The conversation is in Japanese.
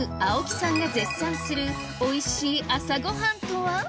青木さんが絶賛するおいしい朝ごはんとは？